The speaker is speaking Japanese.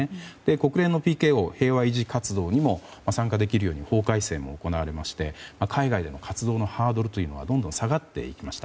国連のＰＫＯ・平和維持活動にも参加できるように法改正も行われまして海外でも活動のハードルがどんどん下がっていきました。